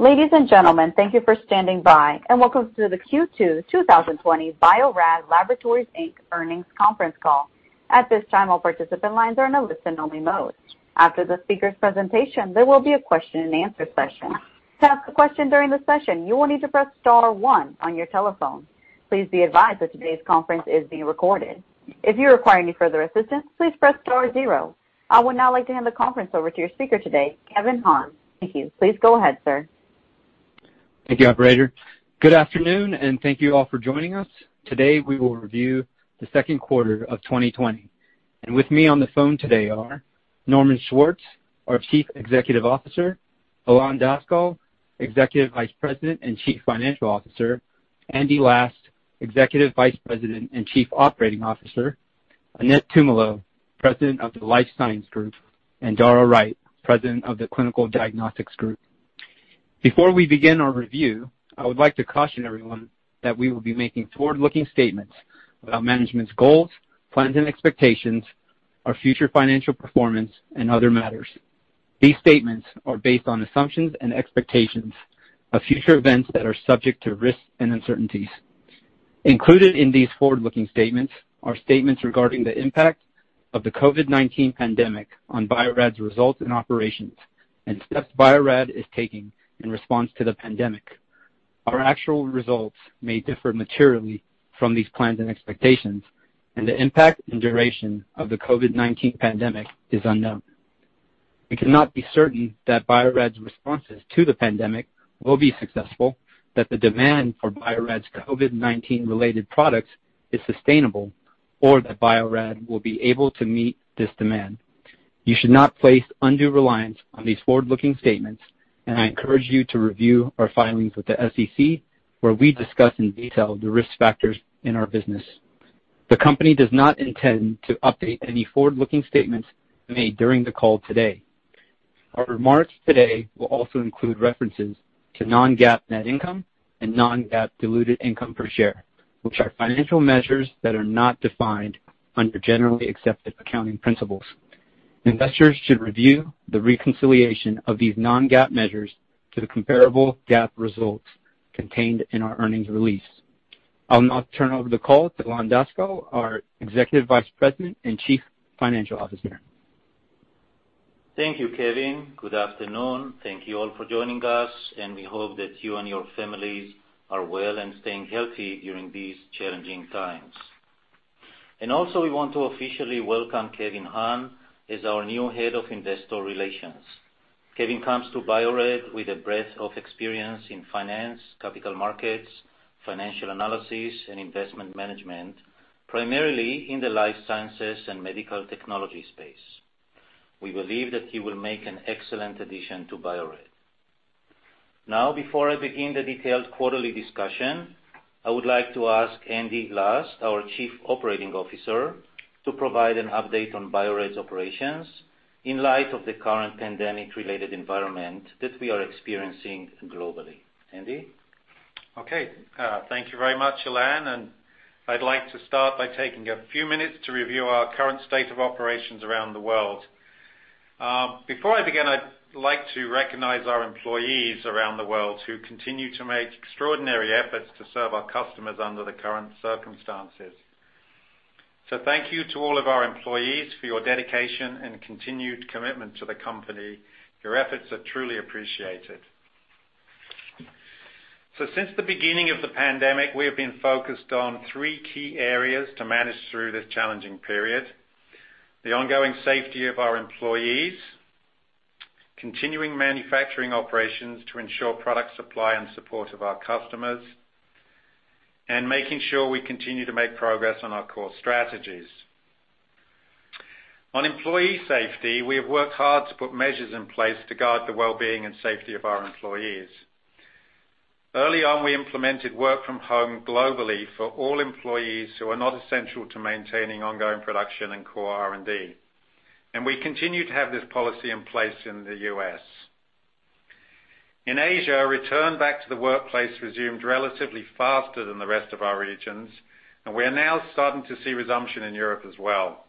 Ladies and gentlemen, thank you for standing by, and welcome to the Q2 2020 Bio-Rad Laboratories, Inc. earnings conference call. At this time, all participant lines are in a listen-only mode. After the speaker's presentation, there will be a question-and-answer session. To ask a question during the session, you will need to press star one on your telephone. Please be advised that today's conference is being recorded. If you require any further assistance, please press star zero. I would now like to hand the conference over to your speaker today, Kevin Han. Thank you. Please go ahead, sir. Thank you, Operator. Good afternoon, and thank you all for joining us. Today, we will review the second quarter of 2020. And with me on the phone today are Norman Schwartz, our Chief Executive Officer, Ilan Daskal, Executive Vice President and Chief Financial Officer, Andy Last, Executive Vice President and Chief Operating Officer, Annette Tumolo, President of the Life Science Group, and Dara Wright, President of the Clinical Diagnostics Group. Before we begin our review, I would like to caution everyone that we will be making forward-looking statements about management's goals, plans, and expectations, our future financial performance, and other matters. These statements are based on assumptions and expectations of future events that are subject to risks and uncertainties. Included in these forward-looking statements are statements regarding the impact of the COVID-19 pandemic on Bio-Rad's results and operations, and steps Bio-Rad is taking in response to the pandemic. Our actual results may differ materially from these plans and expectations, and the impact and duration of the COVID-19 pandemic is unknown. We cannot be certain that Bio-Rad's responses to the pandemic will be successful, that the demand for Bio-Rad's COVID-19-related products is sustainable, or that Bio-Rad will be able to meet this demand. You should not place undue reliance on these forward-looking statements, and I encourage you to review our filings with the SEC, where we discuss in detail the risk factors in our business. The company does not intend to update any forward-looking statements made during the call today. Our remarks today will also include references to non-GAAP net income and non-GAAP diluted income per share, which are financial measures that are not defined under generally accepted accounting principles. Investors should review the reconciliation of these non-GAAP measures to the comparable GAAP results contained in our earnings release. I'll now turn over the call to Ilan Daskal, our Executive Vice President and Chief Financial Officer. Thank you, Kevin. Good afternoon. Thank you all for joining us, and we hope that you and your families are well and staying healthy during these challenging times. And also, we want to officially welcome Kevin Han as our new Head of Investor Relations. Kevin comes to Bio-Rad with a breadth of experience in finance, capital markets, financial analysis, and investment management, primarily in the life sciences and medical technology space. We believe that he will make an excellent addition to Bio-Rad. Now, before I begin the detailed quarterly discussion, I would like to ask Andy Last, our Chief Operating Officer, to provide an update on Bio-Rad's operations in light of the current pandemic-related environment that we are experiencing globally. Andy? Okay. Thank you very much, Ilan, and I'd like to start by taking a few minutes to review our current state of operations around the world. Before I begin, I'd like to recognize our employees around the world who continue to make extraordinary efforts to serve our customers under the current circumstances, so thank you to all of our employees for your dedication and continued commitment to the company. Your efforts are truly appreciated, so since the beginning of the pandemic, we have been focused on three key areas to manage through this challenging period: the ongoing safety of our employees, continuing manufacturing operations to ensure product supply and support of our customers, and making sure we continue to make progress on our core strategies. On employee safety, we have worked hard to put measures in place to guard the well-being and safety of our employees. Early on, we implemented work from home globally for all employees who are not essential to maintaining ongoing production and core R&D, and we continue to have this policy in place in the U.S. In Asia, return back to the workplace resumed relatively faster than the rest of our regions, and we are now starting to see resumption in Europe as well.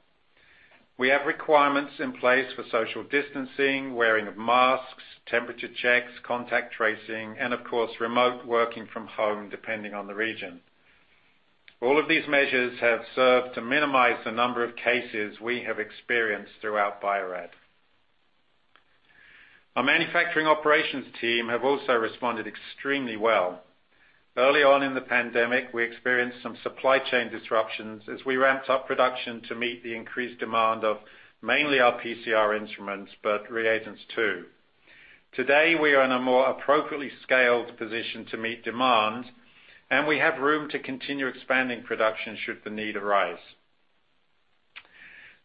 We have requirements in place for social distancing, wearing of masks, temperature checks, contact tracing, and, of course, remote working from home depending on the region. All of these measures have served to minimize the number of cases we have experienced throughout Bio-Rad. Our manufacturing operations team have also responded extremely well. Early on in the pandemic, we experienced some supply chain disruptions as we ramped up production to meet the increased demand of mainly our PCR instruments, but reagents too. Today, we are in a more appropriately scaled position to meet demand, and we have room to continue expanding production should the need arise.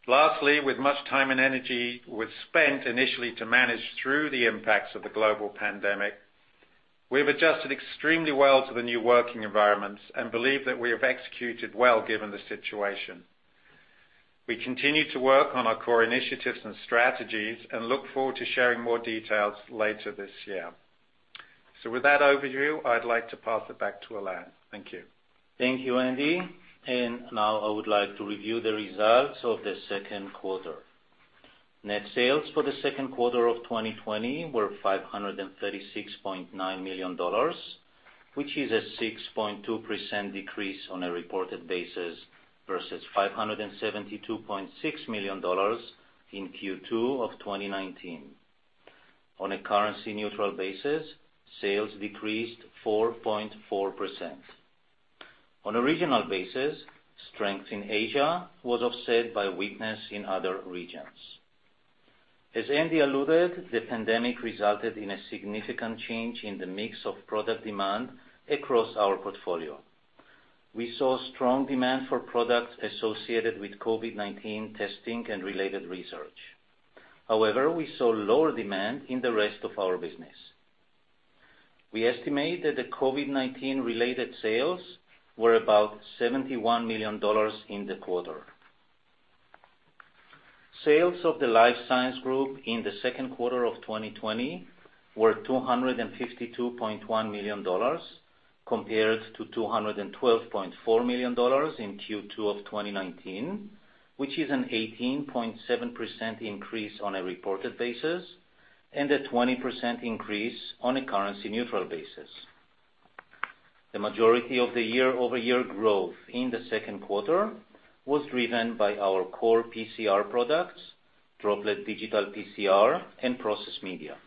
Lastly, with much time and energy spent initially to manage through the impacts of the global pandemic, we've adjusted extremely well to the new working environments and believe that we have executed well given the situation. We continue to work on our core initiatives and strategies and look forward to sharing more details later this year. So with that overview, I'd like to pass it back to Ilan. Thank you. Thank you, Andy. Now, I would like to review the results of the second quarter. Net sales for the second quarter of 2020 were $536.9 million, which is a 6.2% decrease on a reported basis versus $572.6 million in Q2 of 2019. On a currency-neutral basis, sales decreased 4.4%. On a regional basis, strength in Asia was offset by weakness in other regions. As Andy alluded, the pandemic resulted in a significant change in the mix of product demand across our portfolio. We saw strong demand for products associated with COVID-19 testing and related research. However, we saw lower demand in the rest of our business. We estimate that the COVID-19-related sales were about $71 million in the quarter. Sales of the Life Science Group in the second quarter of 2020 were $252.1 million compared to $212.4 million in Q2 of 2019, which is an 18.7% increase on a reported basis and a 20% increase on a currency-neutral basis. The majority of the year-over-year growth in the second quarter was driven by our core PCR products, Droplet Digital PCR, and process media.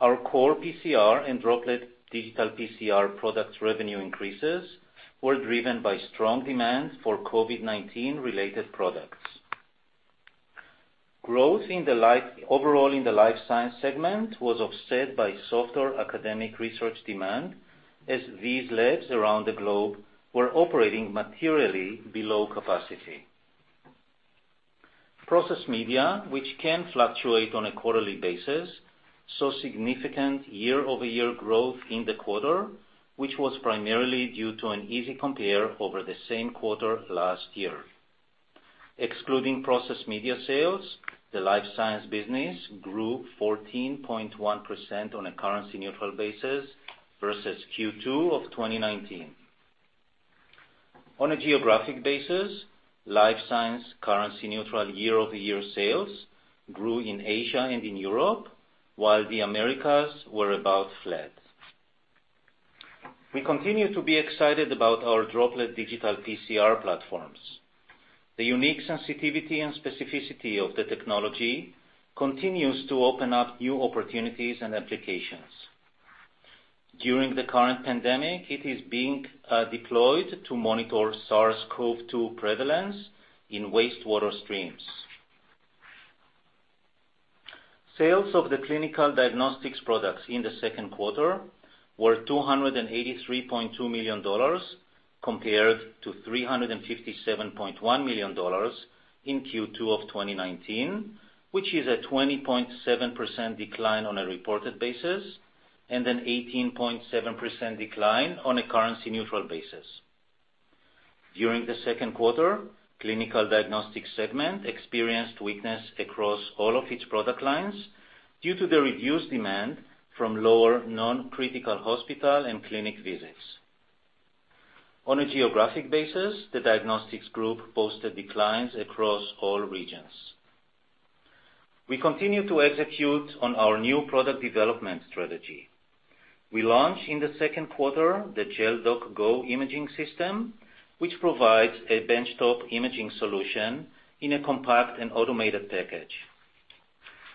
Our core PCR and Droplet Digital PCR product revenue increases were driven by strong demand for COVID-19-related products. Growth overall in the Life Science segment was offset by softer academic research demand as these labs around the globe were operating materially below capacity. Process media, which can fluctuate on a quarterly basis, saw significant year-over-year growth in the quarter, which was primarily due to an easy compare over the same quarter last year. Excluding process media sales, the life science business grew 14.1% on a currency-neutral basis versus Q2 of 2019. On a geographic basis, life science currency-neutral year-over-year sales grew in Asia and in Europe, while the Americas were about flat. We continue to be excited about our Droplet Digital PCR platforms. The unique sensitivity and specificity of the technology continues to open up new opportunities and applications. During the current pandemic, it is being deployed to monitor SARS-CoV-2 prevalence in wastewater streams. Sales of the clinical diagnostics products in the second quarter were $283.2 million compared to $357.1 million in Q2 of 2019, which is a 20.7% decline on a reported basis and an 18.7% decline on a currency-neutral basis. During the second quarter, the clinical diagnostics segment experienced weakness across all of its product lines due to the reduced demand from lower non-critical hospital and clinic visits. On a geographic basis, the diagnostics group posted declines across all regions. We continue to execute on our new product development strategy. We launched in the second quarter the GelDoc Go imaging system, which provides a benchtop imaging solution in a compact and automated package.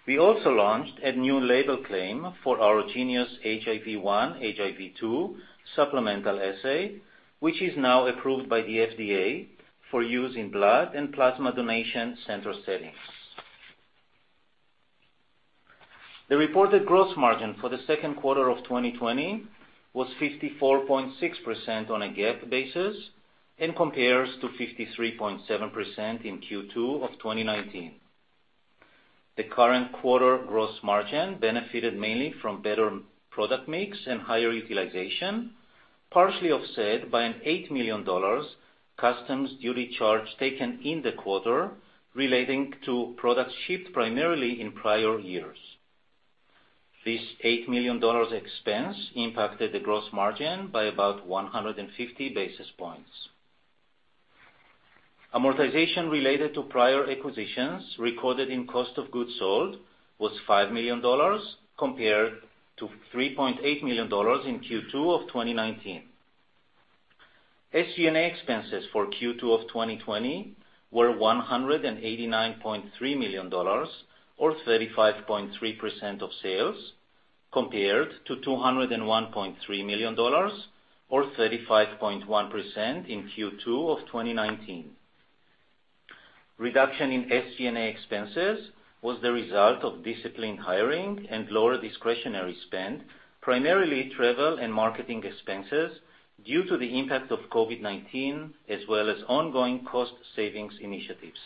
We also launched a new label claim for our Geenius HIV 1/2 Supplemental Assay, which is now approved by the FDA for use in blood and plasma donation center settings. The reported gross margin for the second quarter of 2020 was 54.6% on a GAAP basis and compares to 53.7% in Q2 of 2019. The current quarter gross margin benefited mainly from better product mix and higher utilization, partially offset by an $8 million customs duty charge taken in the quarter relating to products shipped primarily in prior years. This $8 million expense impacted the gross margin by about 150 basis points. Amortization related to prior acquisitions recorded in cost of goods sold was $5 million compared to $3.8 million in Q2 of 2019. SG&A expenses for Q2 of 2020 were $189.3 million, or 35.3% of sales, compared to $201.3 million, or 35.1% in Q2 of 2019. Reduction in SG&A expenses was the result of disciplined hiring and lower discretionary spend, primarily travel and marketing expenses due to the impact of COVID-19, as well as ongoing cost savings initiatives.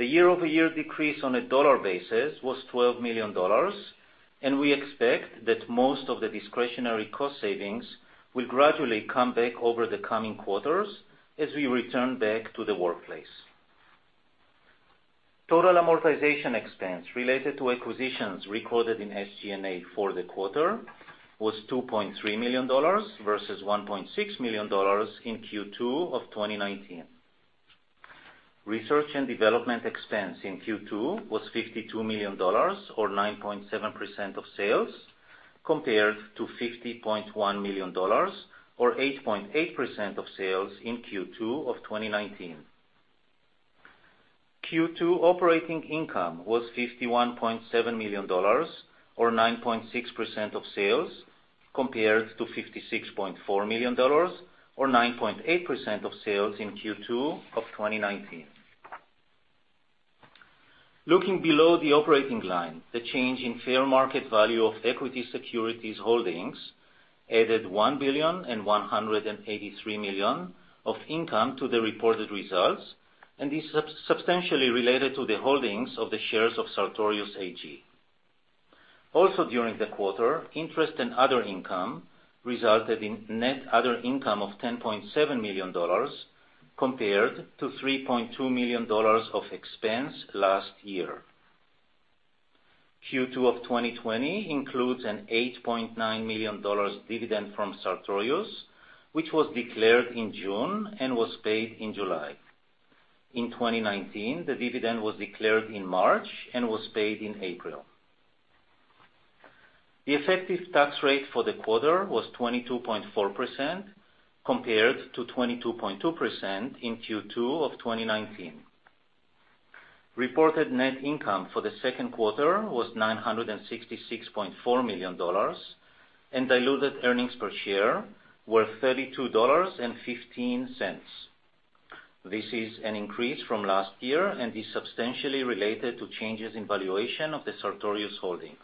The year-over-year decrease on a dollar basis was $12 million, and we expect that most of the discretionary cost savings will gradually come back over the coming quarters as we return back to the workplace. Total amortization expense related to acquisitions recorded in SG&A for the quarter was $2.3 million versus $1.6 million in Q2 of 2019. Research and development expense in Q2 was $52 million, or 9.7% of sales, compared to $50.1 million, or 8.8% of sales in Q2 of 2019. Q2 operating income was $51.7 million, or 9.6% of sales, compared to $56.4 million, or 9.8% of sales in Q2 of 2019. Looking below the operating line, the change in fair market value of equity securities holdings added $1 billion and $183 million of income to the reported results, and this is substantially related to the holdings of the shares of Sartorius AG. Also, during the quarter, interest and other income resulted in net other income of $10.7 million compared to $3.2 million of expense last year. Q2 of 2020 includes an $8.9 million dividend from Sartorius, which was declared in June and was paid in July. In 2019, the dividend was declared in March and was paid in April. The effective tax rate for the quarter was 22.4% compared to 22.2% in Q2 of 2019. Reported net income for the second quarter was $966.4 million, and diluted earnings per share were $32.15. This is an increase from last year and is substantially related to changes in valuation of the Sartorius holdings.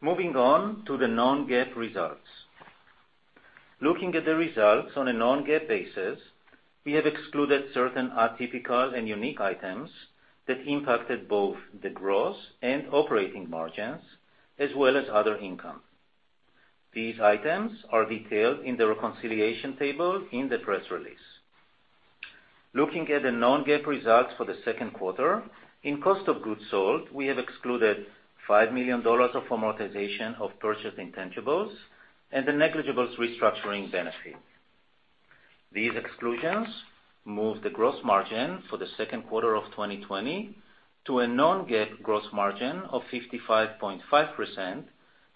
Moving on to the non-GAAP results. Looking at the results on a non-GAAP basis, we have excluded certain atypical and unique items that impacted both the gross and operating margins, as well as other income. These items are detailed in the reconciliation table in the press release. Looking at the non-GAAP results for the second quarter, in cost of goods sold, we have excluded $5 million of amortization of purchased intangibles and the negligible restructuring benefit. These exclusions moved the gross margin for the second quarter of 2020 to a non-GAAP gross margin of 55.5%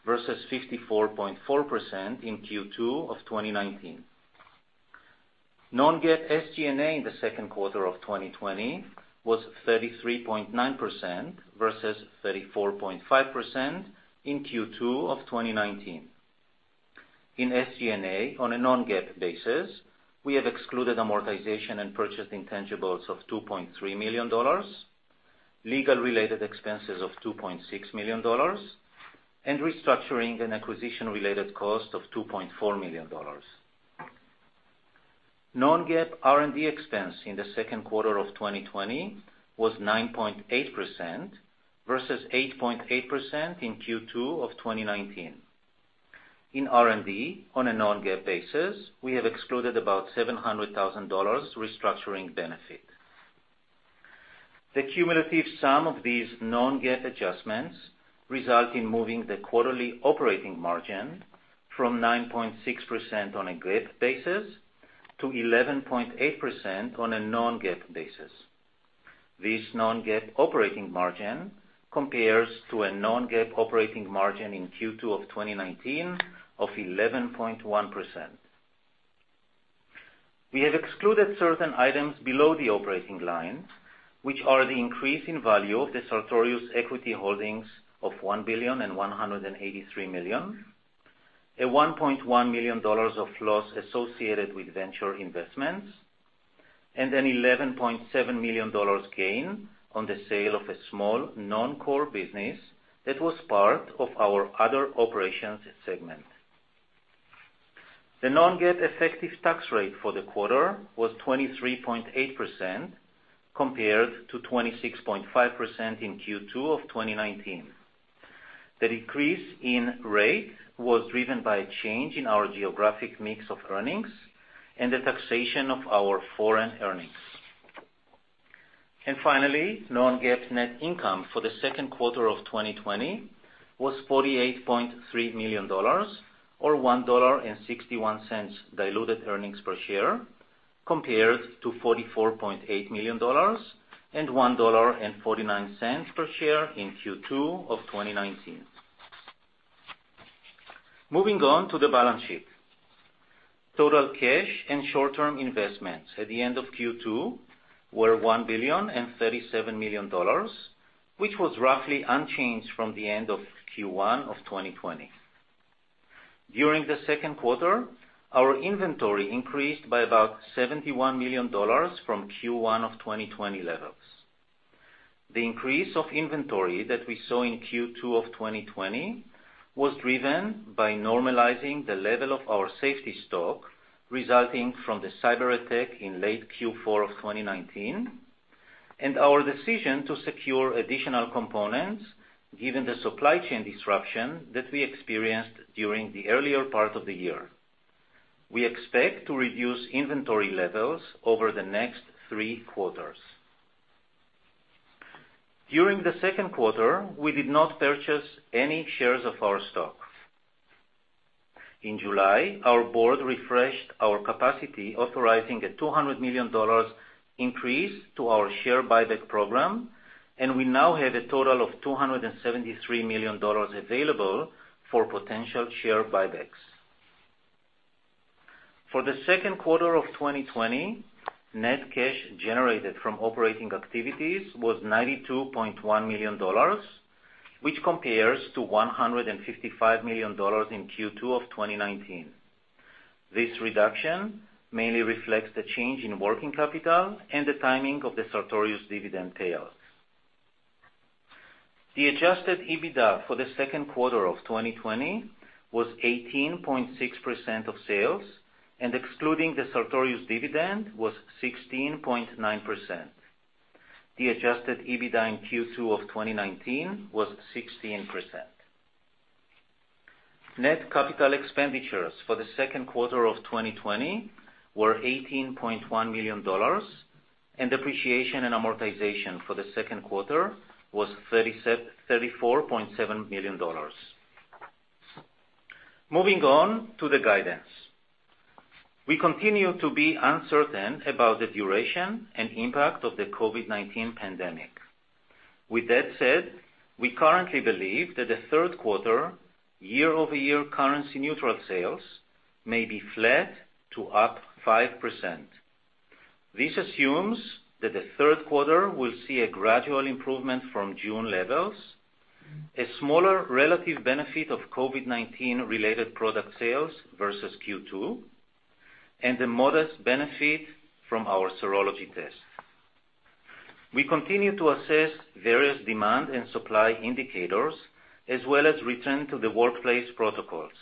versus 54.4% in Q2 of 2019. Non-GAAP SG&A in the second quarter of 2020 was 33.9% versus 34.5% in Q2 of 2019. In SG&A on a non-GAAP basis, we have excluded amortization and purchased intangibles of $2.3 million, legal-related expenses of $2.6 million, and restructuring and acquisition-related cost of $2.4 million. Non-GAAP R&D expense in the second quarter of 2020 was 9.8% versus 8.8% in Q2 of 2019. In R&D on a non-GAAP basis, we have excluded about $700,000 restructuring benefit. The cumulative sum of these non-GAAP adjustments resulted in moving the quarterly operating margin from 9.6% on a GAAP basis to 11.8% on a non-GAAP basis. This non-GAAP operating margin compares to a non-GAAP operating margin in Q2 of 2019 of 11.1%. We have excluded certain items below the operating line, which are the increase in value of the Sartorius equity holdings of $1 billion and $183 million, a $1.1 million loss associated with venture investments, and an $11.7 million gain on the sale of a small non-core business that was part of our other operations segment. The non-GAAP effective tax rate for the quarter was 23.8% compared to 26.5% in Q2 of 2019. The decrease in rate was driven by a change in our geographic mix of earnings and the taxation of our foreign earnings. Finally, non-GAAP net income for the second quarter of 2020 was $48.3 million, or $1.61 diluted earnings per share, compared to $44.8 million and $1.49 per share in Q2 of 2019. Moving on to the balance sheet. Total cash and short-term investments at the end of Q2 were $1 billion and $37 million, which was roughly unchanged from the end of Q1 of 2020. During the second quarter, our inventory increased by about $71 million from Q1 of 2020 levels. The increase of inventory that we saw in Q2 of 2020 was driven by normalizing the level of our safety stock resulting from the cyber attack in late Q4 of 2019 and our decision to secure additional components given the supply chain disruption that we experienced during the earlier part of the year. We expect to reduce inventory levels over the next three quarters. During the second quarter, we did not purchase any shares of our stock. In July, our board refreshed our capacity, authorizing a $200 million increase to our share buyback program, and we now have a total of $273 million available for potential share buybacks. For the second quarter of 2020, net cash generated from operating activities was $92.1 million, which compares to $155 million in Q2 of 2019. This reduction mainly reflects the change in working capital and the timing of the Sartorius dividend payouts. The adjusted EBITDA for the second quarter of 2020 was 18.6% of sales, and excluding the Sartorius dividend was 16.9%. The adjusted EBITDA in Q2 of 2019 was 16%. Net capital expenditures for the second quarter of 2020 were $18.1 million, and depreciation and amortization for the second quarter was $34.7 million. Moving on to the guidance. We continue to be uncertain about the duration and impact of the COVID-19 pandemic. With that said, we currently believe that the third quarter year-over-year currency-neutral sales may be flat to up 5%. This assumes that the third quarter will see a gradual improvement from June levels, a smaller relative benefit of COVID-19-related product sales versus Q2, and a modest benefit from our serology tests. We continue to assess various demand and supply indicators, as well as return to the workplace protocols.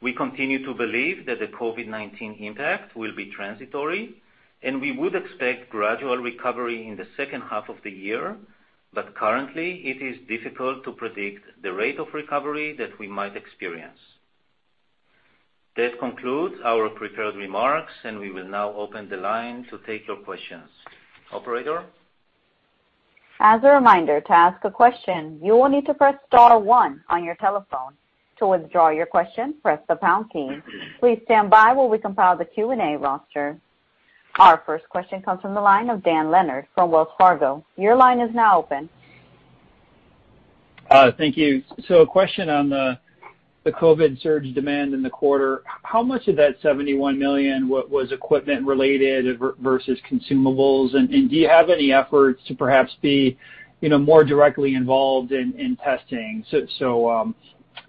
We continue to believe that the COVID-19 impact will be transitory, and we would expect gradual recovery in the second half of the year, but currently, it is difficult to predict the rate of recovery that we might experience. That concludes our prepared remarks, and we will now open the line to take your questions. Operator? As a reminder to ask a question, you will need to press star one on your telephone. To withdraw your question, press the pound key. Please stand by while we compile the Q&A roster. Our first question comes from the line of Dan Leonard from Wells Fargo. Your line is now open. Thank you. So, a question on the COVID surge demand in the quarter. How much of that $71 million was equipment-related versus consumables? And do you have any efforts to perhaps be more directly involved in testing? So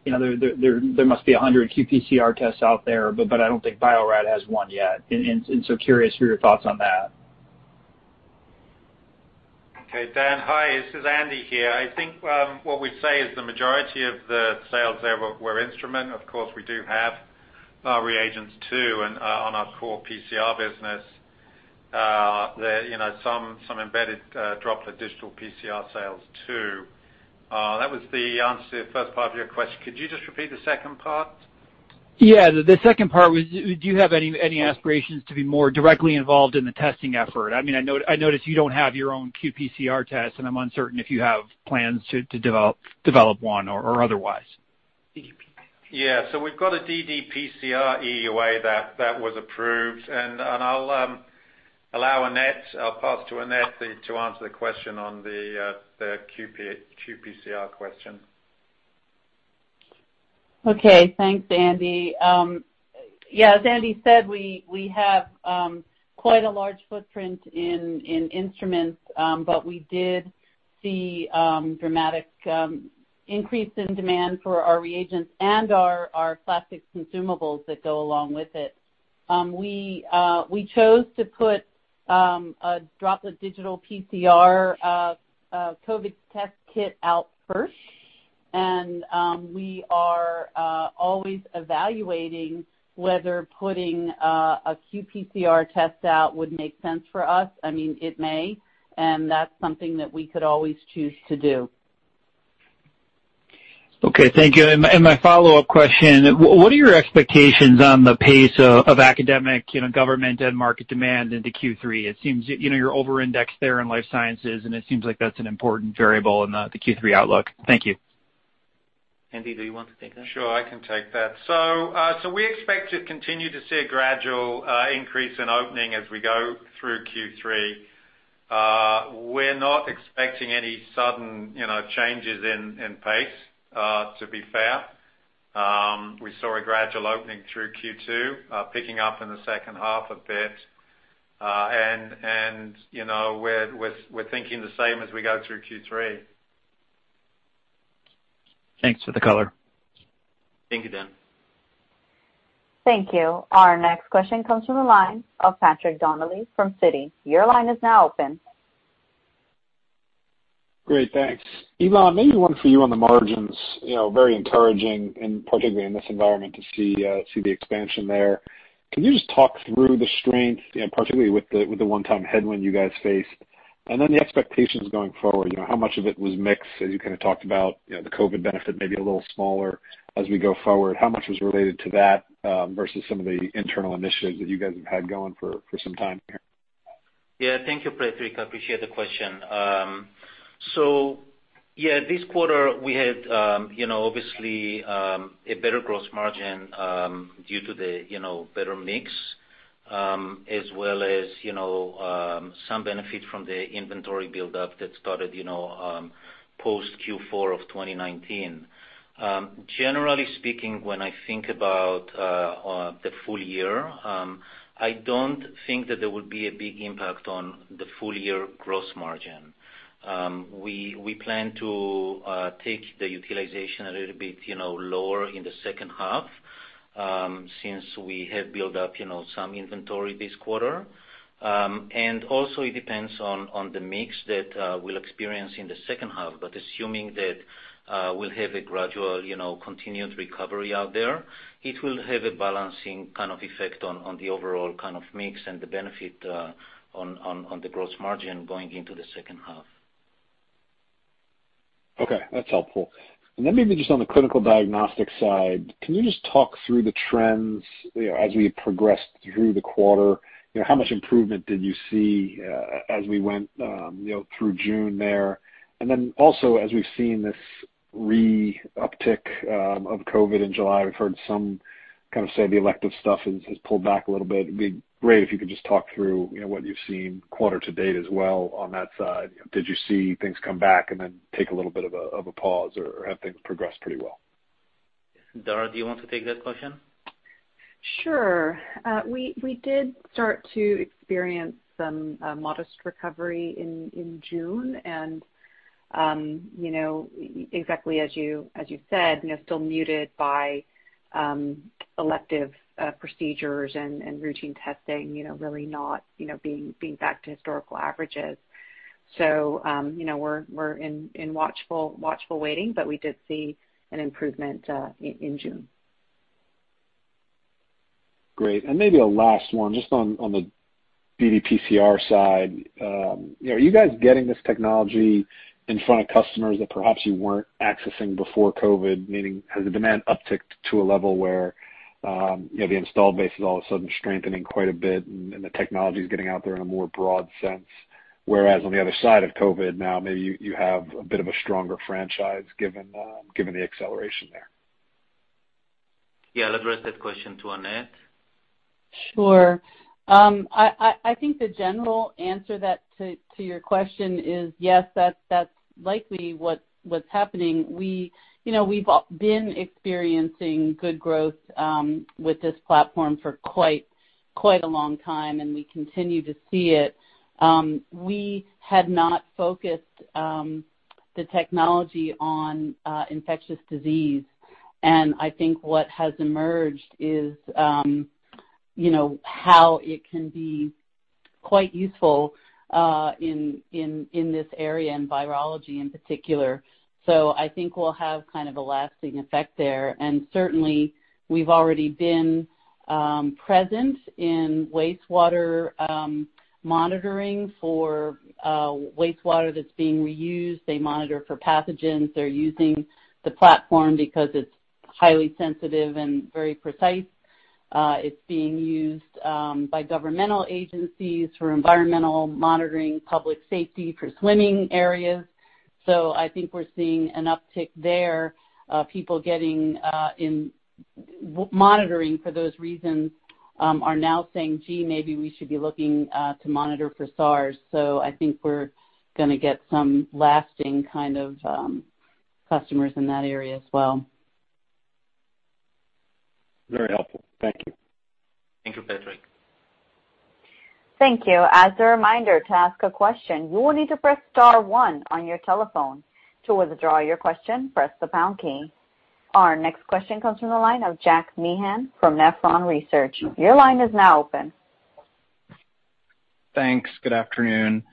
there must be 100 QPCR tests out there, but I don't think Bio-Rad has one yet. And so curious for your thoughts on that. Okay. Dan, hi. This is Andy here. I think what we'd say is the majority of the sales there were instrument. Of course, we do have our reagents too on our core PCR business. Some embedded droplet digital PCR sales too. That was the answer to the first part of your question. Could you just repeat the second part? Yeah. The second part was, do you have any aspirations to be more directly involved in the testing effort? I mean, I noticed you don't have your own QPCR test, and I'm uncertain if you have plans to develop one or otherwise. Yeah. So we've got a DDPCR EUA that was approved, and I'll allow Annette. I'll pass to Annette to answer the question on the QPCR question. Okay. Thanks, Andy. Yeah. As Andy said, we have quite a large footprint in instruments, but we did see a dramatic increase in demand for our reagents and our plastic consumables that go along with it. We chose to put a Droplet Digital PCR COVID test kit out first, and we are always evaluating whether putting a QPCR test out would make sense for us. I mean, it may, and that's something that we could always choose to do. Okay. Thank you. And my follow-up question: what are your expectations on the pace of academic, government, and market demand into Q3? It seems you're over-indexed there in life sciences, and it seems like that's an important variable in the Q3 outlook. Thank you. Andy, do you want to take that? Sure. I can take that. So we expect to continue to see a gradual increase in opening as we go through Q3. We're not expecting any sudden changes in pace, to be fair. We saw a gradual opening through Q2, picking up in the second half a bit, and we're thinking the same as we go through Q3. Thanks for the color. Thank you, Dan. Thank you. Our next question comes from the line of Patrick Donnelly from Citi. Your line is now open. Great. Thanks. Ilan, maybe one for you on the margins. Very encouraging, and particularly in this environment, to see the expansion there. Can you just talk through the strength, particularly with the one-time headwind you guys faced, and then the expectations going forward? How much of it was mixed, as you kind of talked about? The COVID benefit may be a little smaller as we go forward. How much was related to that versus some of the internal initiatives that you guys have had going for some time here? Yeah. Thank you, Patrick. I appreciate the question. So yeah, this quarter, we had obviously a better gross margin due to the better mix, as well as some benefit from the inventory build-up that started post Q4 of 2019. Generally speaking, when I think about the full year, I don't think that there will be a big impact on the full-year gross margin. We plan to take the utilization a little bit lower in the second half since we have built up some inventory this quarter. And also, it depends on the mix that we'll experience in the second half. But assuming that we'll have a gradual continued recovery out there, it will have a balancing kind of effect on the overall kind of mix and the benefit on the gross margin going into the second half. Okay. That's helpful. And then maybe just on the clinical diagnostic side, can you just talk through the trends as we progressed through the quarter? How much improvement did you see as we went through June there? And then also, as we've seen this uptick of COVID in July, we've heard some kind of say the elective stuff has pulled back a little bit. It'd be great if you could just talk through what you've seen quarter to date as well on that side. Did you see things come back and then take a little bit of a pause or have things progress pretty well? Dara, do you want to take that question? Sure. We did start to experience some modest recovery in June, and exactly as you said, still muted by elective procedures and routine testing, really not being back to historical averages. So we're in watchful waiting, but we did see an improvement in June. Great. And maybe a last one, just on the ddPCR side. Are you guys getting this technology in front of customers that perhaps you weren't accessing before COVID? Meaning, has the demand upticked to a level where the installed base is all of a sudden strengthening quite a bit and the technology is getting out there in a more broad sense? Whereas on the other side of COVID now, maybe you have a bit of a stronger franchise given the acceleration there. Yeah. Let's raise that question to Annette. Sure. I think the general answer to your question is yes, that's likely what's happening. We've been experiencing good growth with this platform for quite a long time, and we continue to see it. We had not focused the technology on infectious disease, and I think what has emerged is how it can be quite useful in this area and virology in particular. So I think we'll have kind of a lasting effect there. And certainly, we've already been present in wastewater monitoring for wastewater that's being reused. They monitor for pathogens. They're using the platform because it's highly sensitive and very precise. It's being used by governmental agencies for environmental monitoring, public safety for swimming areas. So I think we're seeing an uptick there. People getting in monitoring for those reasons are now saying, "Gee, maybe we should be looking to monitor for SARS." So I think we're going to get some lasting kind of customers in that area as well. Very helpful. Thank you. Thank you, Patrick. Thank you. As a reminder to ask a question, you will need to press star one on your telephone. To withdraw your question, press the pound key. Our next question comes from the line of Jack Meehan from Nephron Research. Your line is now open. Thanks. Good afternoon.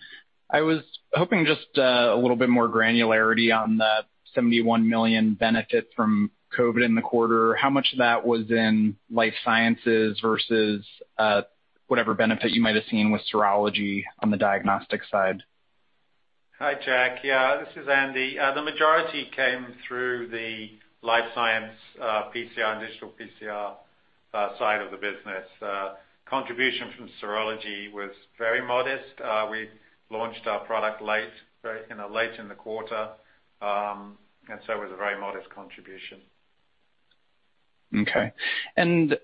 I was hoping just a little bit more granularity on the $71 million benefit from COVID in the quarter. How much of that was in life sciences versus whatever benefit you might have seen with serology on the diagnostic side? Hi, Jack. Yeah. This is Andy. The majority came through the life science PCR and digital PCR side of the business. Contribution from serology was very modest. We launched our product late in the quarter, and so it was a very modest contribution. Okay. And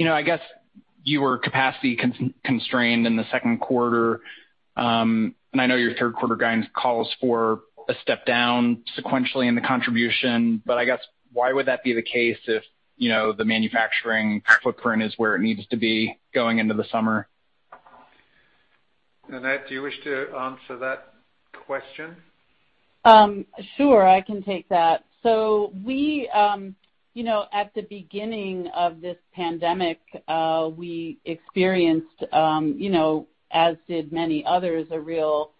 I guess you were capacity constrained in the second quarter, and I know your third-quarter guidance calls for a step down sequentially in the contribution, but I guess why would that be the case if the manufacturing footprint is where it needs to be going into the summer? Annette, do you wish to answer that question? Sure. I can take that. At the beginning of this pandemic, we experienced, as did many others, a real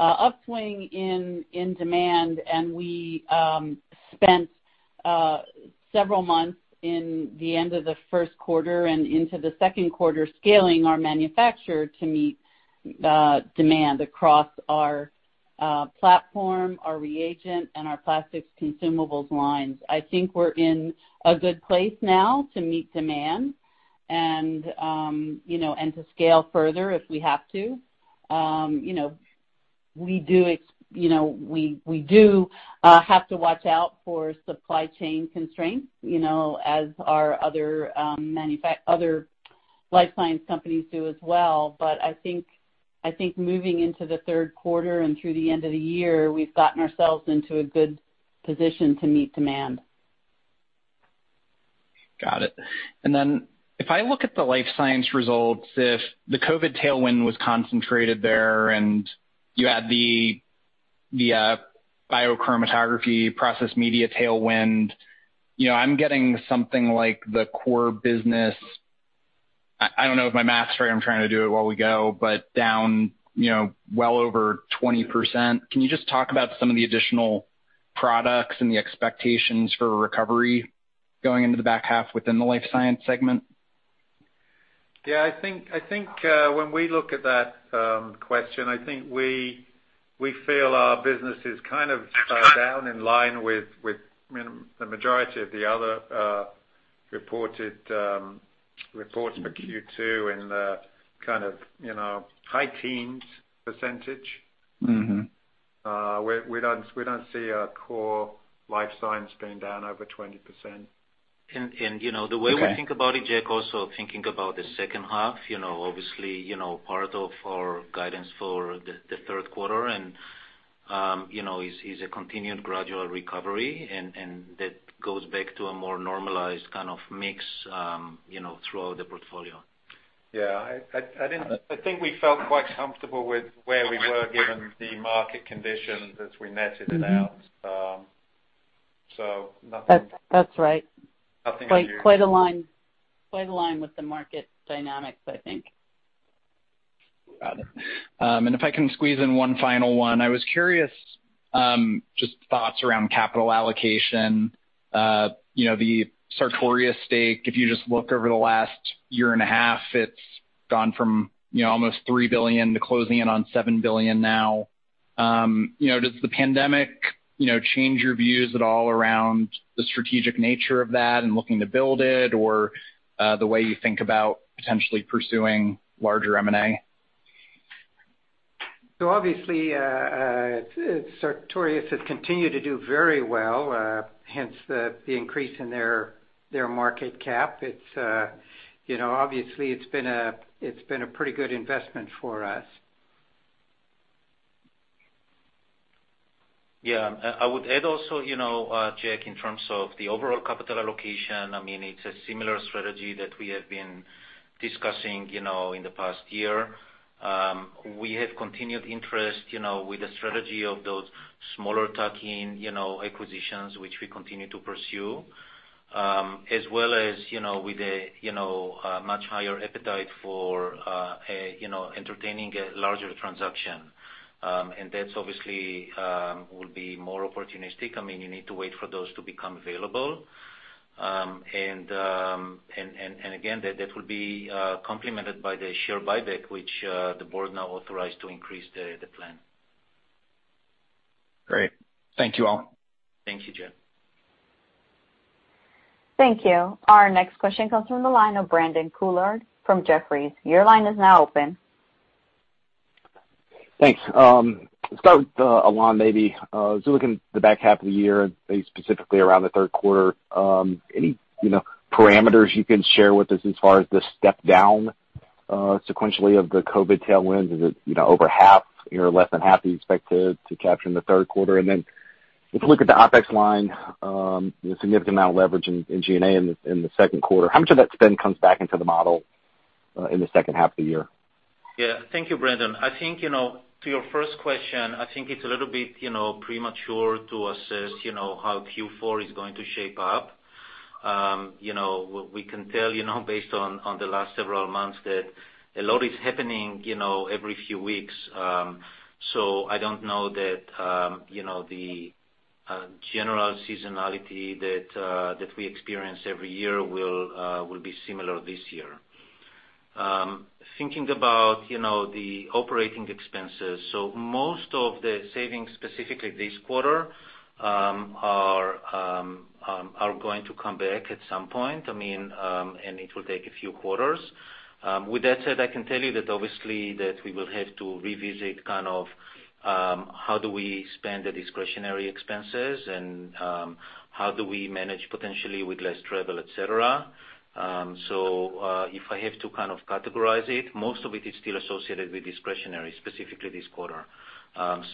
upswing in demand, and we spent several months in the end of the first quarter and into the second quarter scaling our manufacture to meet demand across our platform, our reagent, and our plastics consumables lines. I think we're in a good place now to meet demand and to scale further if we have to. We do have to watch out for supply chain constraints, as our other life science companies do as well. I think moving into the third quarter and through the end of the year, we've gotten ourselves into a good position to meet demand. Got it. And then if I look at the life science results, if the COVID tailwind was concentrated there and you had the biochromatography process media tailwind, I'm getting something like the core business - I don't know if my math's right. I'm trying to do it while we go - but down well over 20%. Can you just talk about some of the additional products and the expectations for recovery going into the back half within the life science segment? Yeah. I think when we look at that question, I think we feel our business is kind of down in line with the majority of the other reported reports for Q2 in the kind of high teens %. We don't see our core life science being down over 20%. And the way we think about it, Jack, also thinking about the second half, obviously part of our guidance for the third quarter is a continued gradual recovery, and that goes back to a more normalized kind of mix throughout the portfolio. Yeah. I think we felt quite comfortable with where we were given the market conditions as we netted it out. So nothing. That's right. Quite aligned with the market dynamics, I think. Got it. And if I can squeeze in one final one, I was curious just thoughts around capital allocation, the Sartorius stake. If you just look over the last year and a half, it's gone from almost $3 billion to closing in on $7 billion now. Does the pandemic change your views at all around the strategic nature of that and looking to build it, or the way you think about potentially pursuing larger M&A? Obviously, Sartorius has continued to do very well, hence the increase in their market cap. Obviously, it's been a pretty good investment for us. Yeah. I would add also, Jack, in terms of the overall capital allocation, I mean, it's a similar strategy that we have been discussing in the past year. We have continued interest with the strategy of those smaller tuck-in acquisitions, which we continue to pursue, as well as with a much higher appetite for entertaining a larger transaction. And that obviously will be more opportunistic. I mean, you need to wait for those to become available. And again, that will be complemented by the share buyback, which the board now authorized to increase the plan. Great. Thank you all. Thank you, Jack. Thank you. Our next question comes from the line of Brandon Couillard from Jefferies. Your line is now open. Thanks. Start with Ilan, maybe. As we look in the back half of the year, specifically around the third quarter, any parameters you can share with us as far as the step down sequentially of the COVID tailwinds? Is it over half or less than half you expect to capture in the third quarter? And then if we look at the OpEx line, a significant amount of leverage in G&A in the second quarter, how much of that spend comes back into the model in the second half of the year? Yeah. Thank you, Brandon. I think to your first question, I think it's a little bit premature to assess how Q4 is going to shape up. We can tell based on the last several months that a lot is happening every few weeks. So I don't know that the general seasonality that we experience every year will be similar this year. Thinking about the operating expenses, so most of the savings specifically this quarter are going to come back at some point, I mean, and it will take a few quarters. With that said, I can tell you that obviously that we will have to revisit kind of how do we spend the discretionary expenses and how do we manage potentially with less travel, etc. So if I have to kind of categorize it, most of it is still associated with discretionary, specifically this quarter.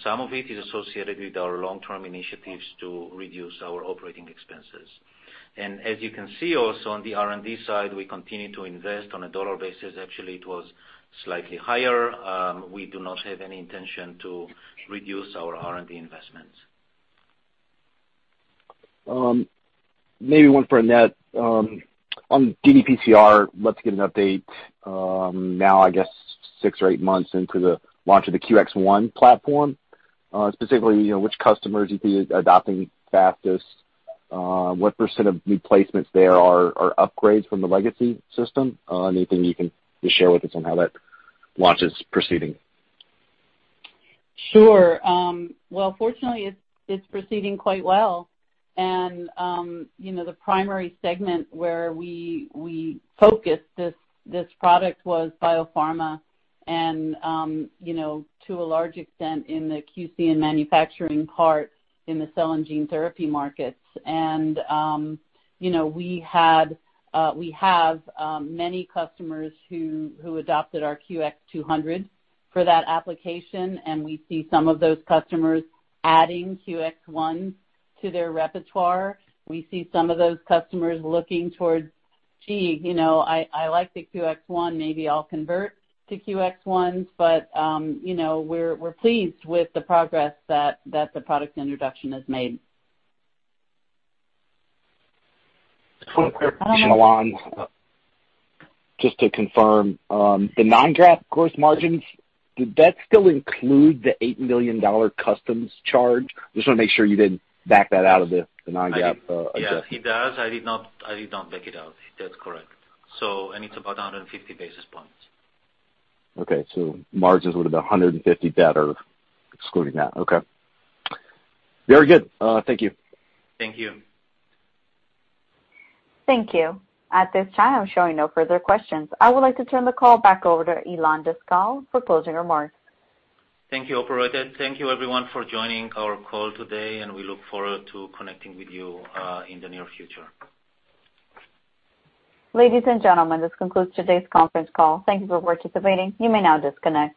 Some of it is associated with our long-term initiatives to reduce our operating expenses. And as you can see also on the R&D side, we continue to invest on a dollar basis. Actually, it was slightly higher. We do not have any intention to reduce our R&D investments. Maybe one for Annette. On ddPCR, let's get an update now, I guess, six or eight months into the launch of the QX1 platform. Specifically, which customers do you think are adopting fastest? What % of new placements there are upgrades from the legacy system? Anything you can just share with us on how that launch is proceeding? Sure. Well, fortunately, it's proceeding quite well, and the primary segment where we focused this product was biopharma and to a large extent in the QC and manufacturing part in the cell and gene therapy markets, and we have many customers who adopted our QX200 for that application, and we see some of those customers adding QX1 to their repertoire. We see some of those customers looking towards, "Gee, I like the QX1. Maybe I'll convert to QX1," but we're pleased with the progress that the product introduction has made. One quick question, Ilan. Just to confirm, the non-GAAP growth margins, did that still include the $8 million customs charge? I just want to make sure you didn't back that out of the non-GAAP adjustment. Yeah. It does. I did not back it out. That's correct. And it's about 150 basis points. Okay. So margins would have been 150 better excluding that. Okay. Very good. Thank you. Thank you. Thank you. At this time, I'm showing no further questions. I would like to turn the call back over to Ilan Daskal for closing remarks. Thank you, Operator. Thank you, everyone, for joining our call today, and we look forward to connecting with you in the near future. Ladies and gentlemen, this concludes today's conference call. Thank you for participating. You may now disconnect.